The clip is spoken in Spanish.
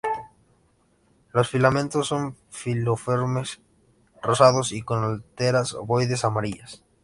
Los filamentos son filiformes, rosados y con anteras ovoides amarillas.